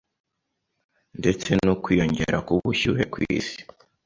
ndetse n'ukwiyongera k'ubushyuhe ku isi,